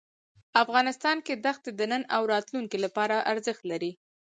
افغانستان کې دښتې د نن او راتلونکي لپاره ارزښت لري.